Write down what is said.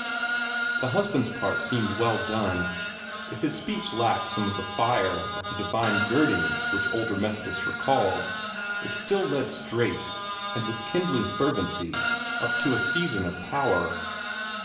The husband's part seemed well done. If his speech lacked some of the fire of the divine girdings which older Methodists recalled, it still led straight, and with kindling fervency, up to a season of power.